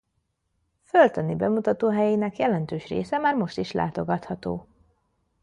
Földtani bemutatóhelyeinek jelentős része már most is látogatható.